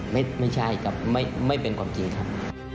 ไม่ใช่ค่ะไม่เป็นความจริงค่ะ